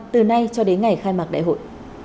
từ nay cho đến ngày khai mạc đại hội